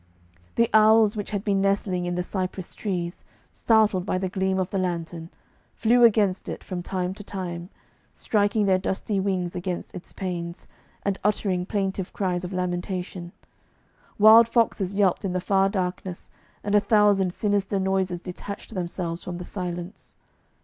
The owls which had been nestling in the cypress trees, startled by the gleam of the lantern, flew against it from time to time, striking their dusty wings against its panes, and uttering plaintive cries of lamentation; wild foxes yelped in the far darkness, and a thousand sinister noises detached themselves from the silence.